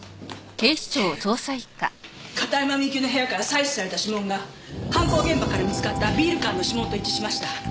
警部片山みゆきの部屋から採取された指紋が犯行現場から見つかったビール缶の指紋と一致しました。